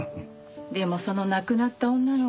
でもその亡くなった女の子